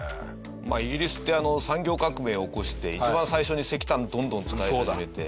まあイギリスって産業革命を起こして一番最初に石炭どんどん使い始めて。